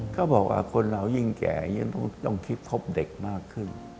เขาบอกว่าคนเรายิ่งแก่ยิ่งต้องคิดคบเด็กมากขึ้น